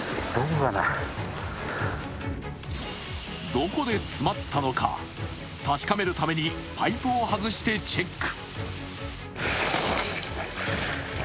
どこで詰まったのか確かめるためにパイプを外してチェック。